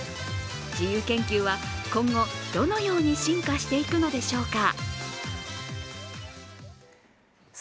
自由研究は今後、どのように進化していくのでしょうか。